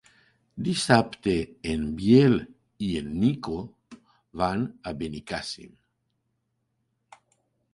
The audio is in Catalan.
Dissabte en Biel i en Nico van a Benicàssim.